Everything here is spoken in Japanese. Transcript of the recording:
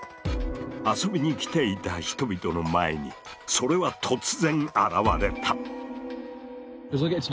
遊びに来ていた人々の前にそれは突然現れた！